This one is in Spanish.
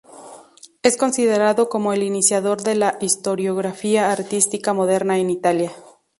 Es considerado como el iniciador de la historiografía artística moderna en Italia.